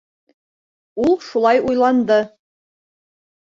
Ул шулай уйланды.